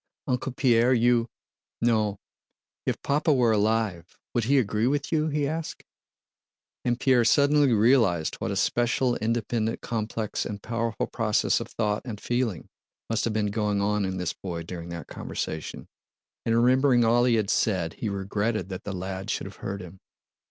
"Uncle Pierre, you... no... If Papa were alive... would he agree with you?" he asked. And Pierre suddenly realized what a special, independent, complex, and powerful process of thought and feeling must have been going on in this boy during that conversation, and remembering all he had said he regretted that the lad should have heard him.